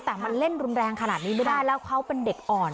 แต่มันเล่นรุนแรงขนาดนี้ไม่ได้แล้วเขาเป็นเด็กอ่อน